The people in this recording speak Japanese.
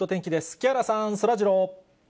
木原さん、そらジロー。